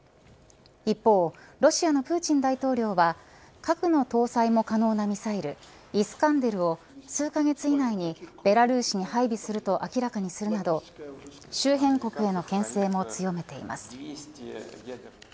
一方、ロシアのプーチン大統領は核の搭載も可能なミサイルイスカンデルを数カ月以内にベラルーシに配備すると明らかにするなど周辺国へのけん制も強めています。